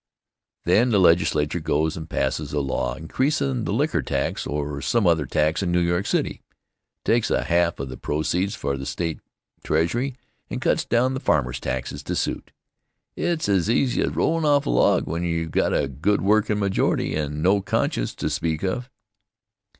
Then the Legislature goes and passes a law increasin' the liquor tax or some other tax in New York City, takes a half of the proceeds for the State Treasury and cuts down the farmers' taxes to suit. It's as easy as rollin' off a log when you've got a good workin' majority and no conscience to speak of.